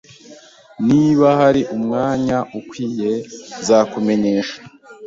Niba hari umwanya ukwiye, nzakumenyesha.